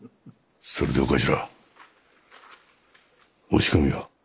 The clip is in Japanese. それでお頭押し込みは？